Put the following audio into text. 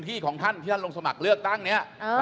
ที่ท่านลงสมัครเลือกตั้งนี้